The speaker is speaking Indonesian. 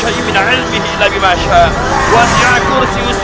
apa yang dikatakan